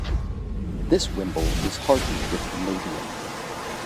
This wimble is hardened with vanadium.